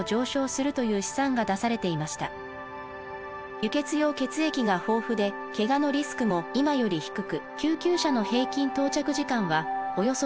輸血用血液が豊富でケガのリスクも今より低く救急車の平均到着時間はおよそ６分でした。